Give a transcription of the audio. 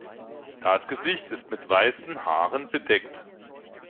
Das Gesicht ist mit weißen Haaren bedeckt.